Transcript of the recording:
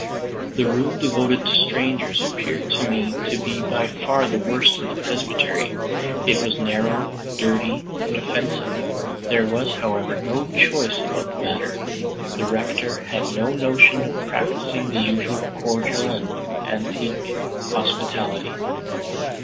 The room devoted to strangers appeared to me to be by far the worst in the presbytery; it was narrow, dirty and offensive. There was, however, no choice about the matter. The Rector had no notion of practicing the usual cordial and antique hospitality.